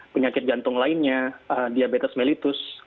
penyakit jantung lainnya diabetes mellitus